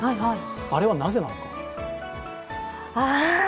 あれはなぜなのか。